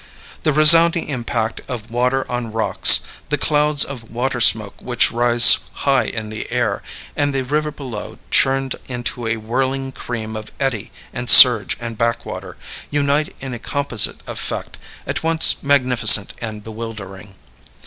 The resounding impact of water on rocks, the clouds of water smoke which rise high in the air, and the river below churned into a whirling cream of eddy and surge and backwater, unite in a composite effect, at once magnificent and bewildering.